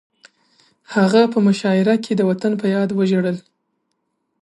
هغه په مشاعره کې د وطن په یاد وژړل